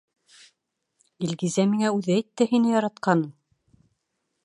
— Илгизә миңә үҙе әйтте һине яратҡанын!